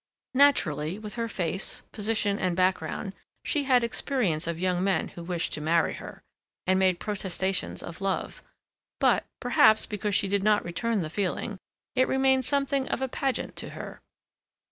Naturally, with her face, position, and background, she had experience of young men who wished to marry her, and made protestations of love, but, perhaps because she did not return the feeling, it remained something of a pageant to her.